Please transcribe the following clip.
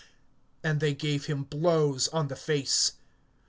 And they gave him blows on the face.